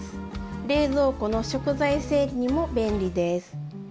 冷蔵庫の食材整理にも便利です。